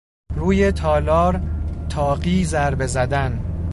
روی تالار تاقی ضربی زدن